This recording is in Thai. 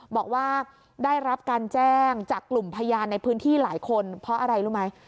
บอกว่าได้รับการแจ้งจากกลุ่มพยานในพื้นที่หลายคนเพราะอะไรรู้ไหม